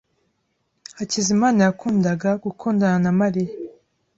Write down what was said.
Hakizimana yakundaga gukundana na Mariya.